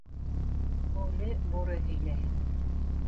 — Үле Бүре һөйләһен.